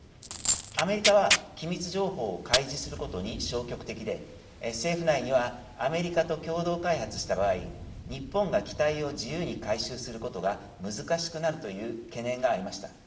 アメリカは、機密情報を開示することに消極的で政府内にはアメリカと共同開発した場合日本が、機体を自由に改修することが難しくなるという懸念がありました。